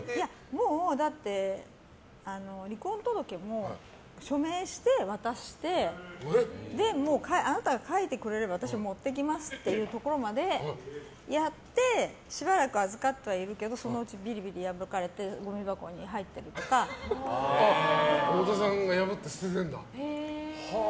もう離婚届も署名して渡してもうあなたが書いてくれれば私が持っていきますっていうところまでやってしばらく預かってはいるけどそのうちビリビリ破かれて太田さんが破って捨ててるんだ。